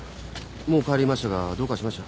もう帰りましたがどうかしました？